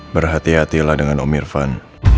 berhati hatilah dengan om irfan